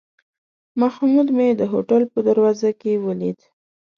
محمود مې د هوټل په دروازه کې ولید.